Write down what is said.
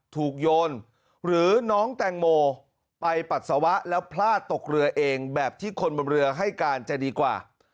โยนหรือน้องแตงโมไปปัสสาวะแล้วพลาดตกเรือเองแบบที่คนบนเรือให้การจะดีกว่า